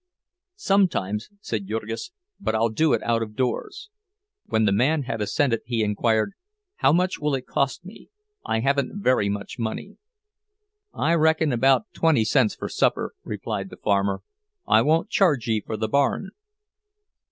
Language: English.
"Sometimes," said Jurgis, "but I'll do it out of doors." When the man had assented, he inquired, "How much will it cost me? I haven't very much money." "I reckon about twenty cents for supper," replied the farmer. "I won't charge ye for the barn."